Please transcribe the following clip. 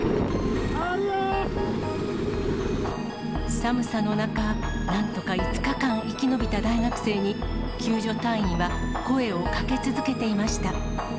寒さの中、なんとか５日間生き延びた大学生に、救助隊員は声をかけ続けていました。